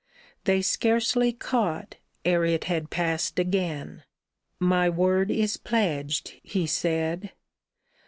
They scarcely caught ere it had passed again. *' My word is pledged," he said.